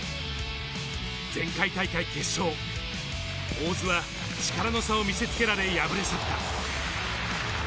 前回大会決勝、大津は力の差を見せ付けられ、敗れ去った。